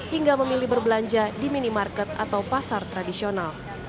hingga memilih berbelanja di minimarket atau pasar tradisional